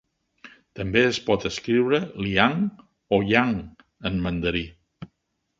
També es pot escriure Liang o Yang en mandarí.